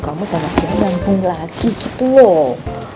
kamu sama dia ngembung lagi gitu loh